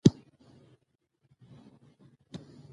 افغانستان کې مېوې د چاپېریال د تغیر نښه ده.